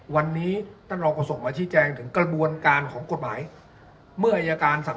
วันนี้ตั้งแต่เราก็ส่งมาที่แจงถึงกระบวนการของกฎหมายเมื่ออัยการสั่ง